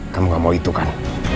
kamu gak mau itu kan